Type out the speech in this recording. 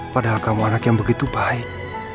padahal kamu anak yang begitu baik